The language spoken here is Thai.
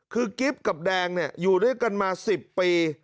คือกิฟต์กับแดงอยู่ด้วยกันมา๑๐ปี